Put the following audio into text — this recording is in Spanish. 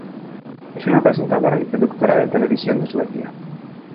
Es una presentadora y productora de televisión de Suecia.